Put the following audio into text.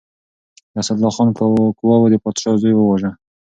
د اسدالله خان قواوو د پادشاه زوی وواژه.